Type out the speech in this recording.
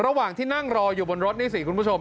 ระหว่างที่นั่งรออยู่บนรถนี่สิคุณผู้ชม